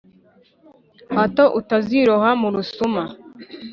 hato utaziroha mu rusuma